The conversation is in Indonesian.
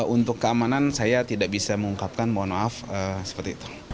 untuk keamanan saya tidak bisa mengungkapkan mohon maaf seperti itu